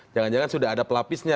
jangan jangan sudah ada pelapisnya